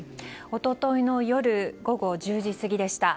一昨日の夜午後１０時過ぎでした。